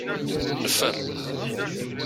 Neffer.